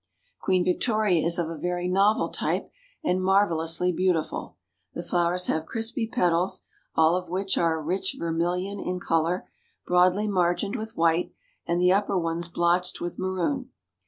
Queen Victoria is of a very novel type and marvelously beautiful. The flowers have crispy petals, all of which are a rich vermilion in color, broadly margined with white, and the upper ones blotched with maroon.